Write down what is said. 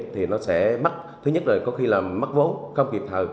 thì sẽ mắc thứ nhất có khi là mắc vốn không kịp thờ